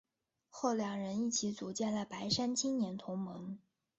后两人一起组建了白山青年同盟。